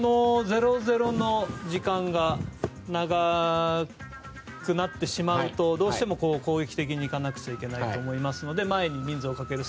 ０−０の時間が長くなってしまうとどうしても攻撃的にいかなくちゃいけないので前に人数をかける。